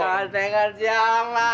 ganteng ganteng siapa ya